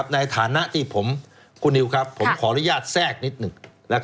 ในฐานะที่คุณนิวครับผมขออนุญาตแทรกนิดหนึ่ง